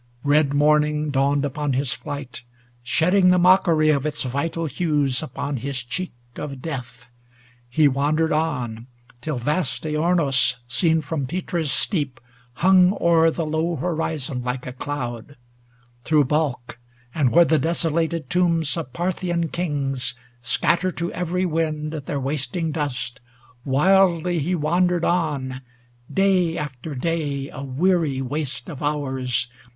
Red morning dawned upon his flight, Shedding the mockery of its vital hues Upon his cheek of death. He wandered on 239 Till vast Aornos seen from Petra's steep Hung o'er the low horizon like a cloud; Through Balk, and where the desolated tombs Of Parthian kings scatter to every wind Their wasting dust, wildly he wandered on, Day after day, a weary waste of hours.